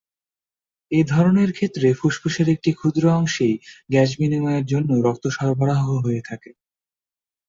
এধরনের ক্ষেত্রে ফুসফুসের একটি ক্ষুদ্র অংশেই গ্যাস বিনিময়ের জন্য রক্ত সরবরাহ হয়ে থাকে।